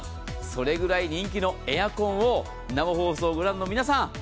それぐらい人気のエアコンを生放送をご覧の皆さん